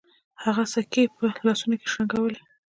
هغه سکې په لاسونو کې شرنګولې.